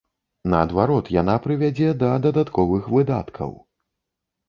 Наадварот, яна прывядзе да дадатковых выдаткаў.